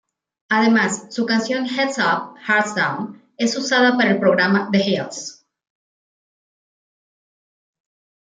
Además, su canción "Heads Up, Hearts Down" es usada para el programa The Hills.